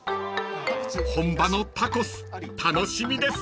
［本場のタコス楽しみです］